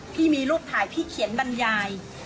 พี่มีรูปถ่ายพี่เขียนบรรยาย